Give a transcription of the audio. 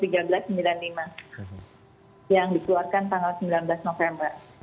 yang dikeluarkan tanggal sembilan belas november